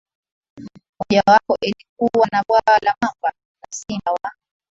mojawapo lilikuwa na bwawa la mamba na simba wa